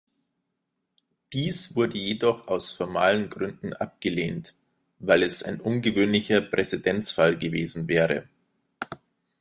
Dies wurde jedoch aus formalen Gründen abgelehnt, weil es ein ungewöhnlicher Präzedenzfall gewesen wäre.